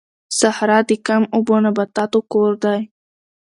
صحرا د کم اوبو نباتاتو کور دی